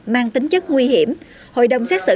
mang tính chất nguy hiểm hội đồng xét xử